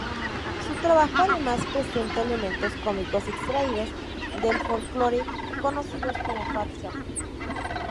Su trabajo además presenta elementos cómicos extraídos del folclore, conocidos como farsa.